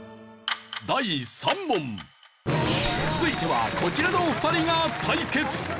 続いてはこちらのお二人が対決。